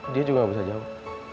dia juga gak bisa jawab